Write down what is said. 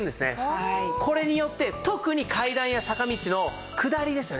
これによって特に階段や坂道の下りですよね